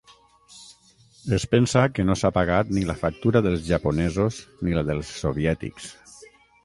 Es pensa que no s'ha pagat ni la factura dels japonesos ni la dels soviètics.